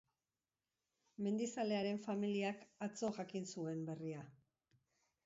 Mendizalearen familiak atzo jakin zuen berria.